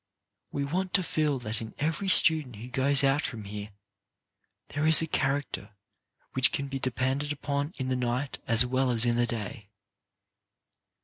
We want to feel that in every student who goes out from here there is a character which can be depended upon in the night as well as in the day.